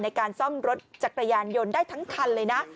ในการซ่อมรถจักรยานยนต์ได้ทั้งคันเลยนะ